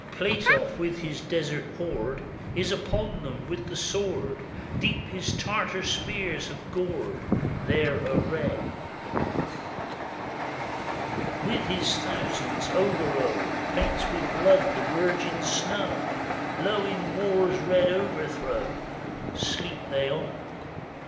Platoff, with his desert horde, Is upon them with the sword; Deep his Tartar spears have gored Their array. With his thousands, Augereau Paints with blood the virgin snow; Low in war's red overthrow Sleep they on !